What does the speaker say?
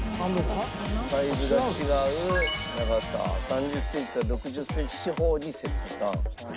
サイズが違う長さ３０センチ掛ける６０センチ四方に切断。